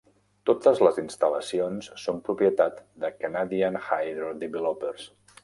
Totes les instal·lacions són propietat de Canadian Hydro Developers.